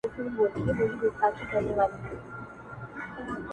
زه چي په بې سېکه گوتو څه وپېيم؛